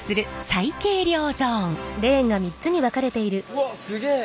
うわすげえ！